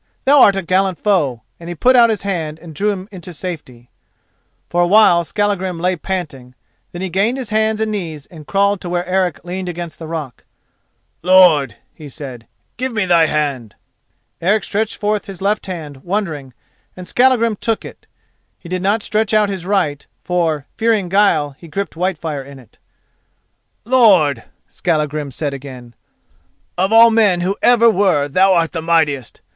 "Thou art a gallant foe," and he put out his hand and drew him into safety. For a while Skallagrim lay panting, then he gained his hands and knees and crawled to where Eric leaned against the rock. "Lord," he said, "give me thy hand." Eric stretched forth his left hand, wondering, and Skallagrim took it. He did not stretch out his right, for, fearing guile, he gripped Whitefire in it. "Lord," Skallagrim said again, "of all men who ever were, thou art the mightiest.